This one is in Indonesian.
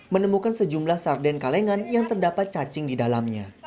menemukan sejumlah sarden kalengan yang terdapat cacing di dalamnya